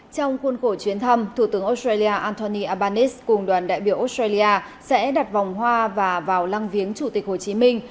trong khuôn khổ chuyến thăm thủ tướng australia anthony albanes cùng đoàn đại biểu australia sẽ đặt vòng hoa và vào lăng viếng chủ tịch hồ chí minh